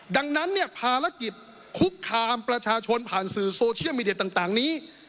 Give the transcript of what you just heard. ดังนั้นเนี่ยภารกิจคุกคามประชาชนผ่านสื่อโซเชียลมีเดียต่างนี้